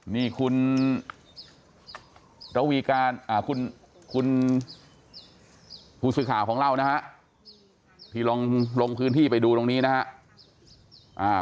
นี่คุณระวีการคุณผู้สื่อข่าวของเรานะฮะที่ลองลงพื้นที่ไปดูตรงนี้นะฮะ